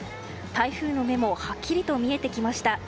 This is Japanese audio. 台風の目もはっきりと見えてきました。